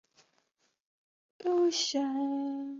现在效力中国足球超级联赛球队山东鲁能泰山。